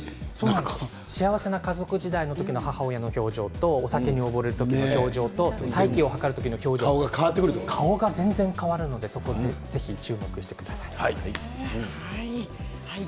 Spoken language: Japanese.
幸せな家族時間の時の母親の表情とお酒に溺れる時の表情再起する時の表情顔が全然変わるので注目してください。